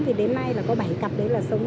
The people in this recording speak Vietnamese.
thì đến nay có bảy cặp đấy là sống